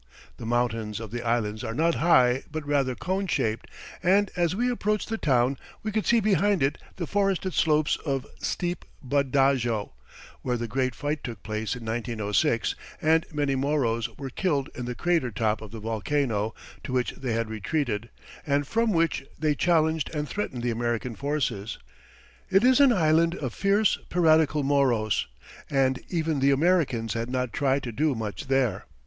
The mountains of the island are not high but rather cone shaped, and as we approached the town we could see behind it the forested slopes of steep Bud Dajo, where the great fight took place in 1906 and many Moros were killed in the crater top of the volcano, to which they had retreated, and from which they challenged and threatened the American forces. It is an island of fierce, piratical Moros, and even the Americans had not tried to do much there.